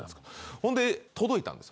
ほんで届いたんです。